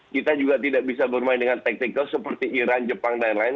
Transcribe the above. kita juga tidak bisa bermain dengan taktikal seperti iran jepang dan lain lain